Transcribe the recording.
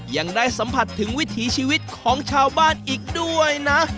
ยังได้สัมผัสถึงวิถีชีวิตของชาวบ้านอีกด้วยนะ